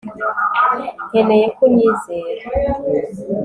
Nkeneye ko unyizera